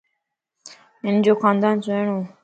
ھنَ جو خاندان سھڻوَ